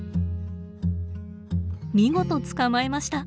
見事捕まえました。